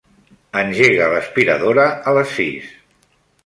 Engega l'aspiradora a les sis.